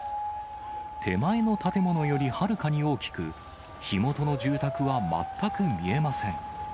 手前の建物よりはるかに大きく、火元の住宅は全く見えません。